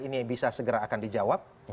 ini bisa segera akan dijawab